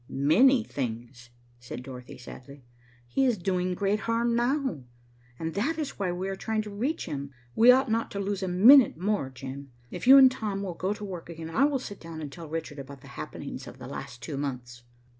"Many things," said Dorothy sadly. "He is doing great harm now, and that is why we are trying to reach him. We ought not to lose a minute more, Jim. If you and Tom will go to work again, I will sit down and tell Richard about the happenings of the last two months."